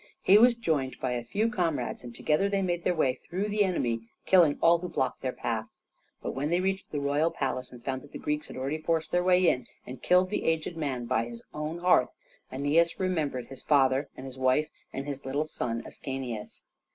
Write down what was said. He was joined by a few comrades, and together they made their way through the enemy, killing all who blocked their path. But when they reached the royal palace and found that the Greeks had already forced their way in and killed the aged man by his own hearth, Æneas remembered his father and his wife and his little son Ascanius.